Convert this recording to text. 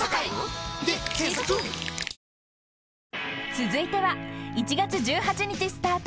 ［続いては１月１８日スタート。